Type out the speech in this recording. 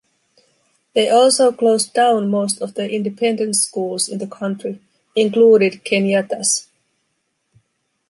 They also closed down most of the independent schools in the country, including Kenyatta's.